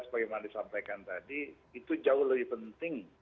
sebagaimana disampaikan tadi itu jauh lebih penting